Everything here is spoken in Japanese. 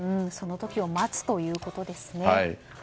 その時を待つということですね。